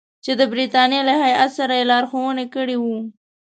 چې د برټانیې له هیات سره یې لارښوونه کړې وه.